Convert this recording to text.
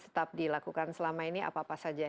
tetap dilakukan selama ini apa apa saja